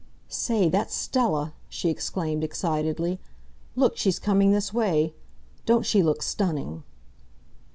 "Say, that's Stella!" she exclaimed excitedly. "Look, she's coming this way! Don't she look stunning!"